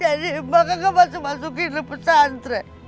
jadi maka gak masuk masukin lu pesantre